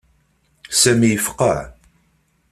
Sami yefqeɛ.